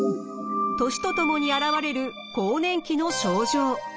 年とともに現れる更年期の症状。